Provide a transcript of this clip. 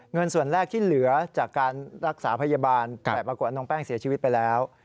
เงินส่วนแรกที่เหลือจากการรักษาพยาบาลแต่ปรากฏว่าน้องแป้งเสียชีวิตไปแล้ว